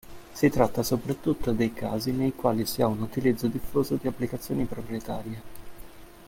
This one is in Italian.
Si tratta soprattutto dei casi nei quali si ha un utilizzo diffuso di applicazioni proprietarie.